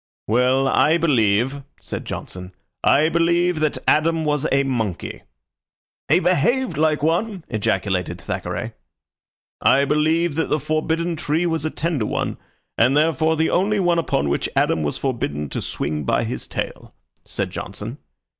"Well, I believe," said Johnson "I believe that Adam was a monkey." "He behaved like one," ejaculated Thackeray. "I believe that the forbidden tree was a tender one, and therefore the only one upon which Adam was forbidden to swing by his tail," said Johnson.